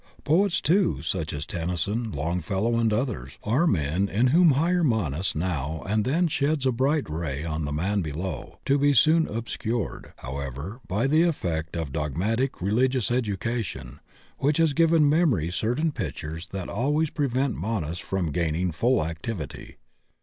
Poets, too, such as Tennyson, Long fellow, and others, are men in whom Higher Manas now and then sheds a bright ray on the man below, to be soon obscured, however, by the effect of dog matic religious education which has given memory certain pictures that always prevent Manas from gain ing full activity.